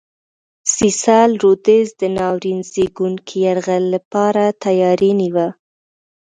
سیسل رودز د ناورین زېږوونکي یرغل لپاره تیاری نیوه.